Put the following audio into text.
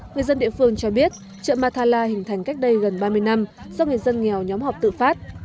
người dân địa phương cho biết chợ ma tha la hình thành cách đây gần ba mươi năm do người dân nghèo nhóm họp tự phát